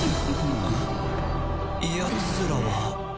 やつらは？